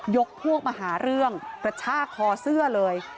พวกมาหาเรื่องกระชากคอเสื้อเลย